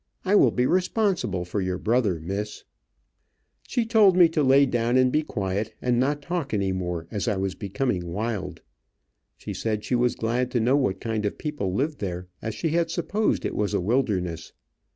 I will be responsible for your brother, Miss." She told me to lay down and be quiet, and not talk any more, as I was becoming wild. She said she was glad to know what kind of people lived there, as she had supposed it was a wilderness.